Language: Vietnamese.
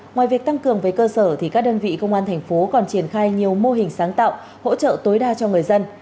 ngoài việc tăng cường với cơ sở thì các đơn vị công an thành phố còn triển khai nhiều mô hình sáng tạo hỗ trợ tối đa cho người dân